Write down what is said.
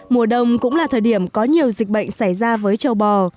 mùa đông cũng là thời điểm có nhiều dịch bệnh xảy ra với châu bò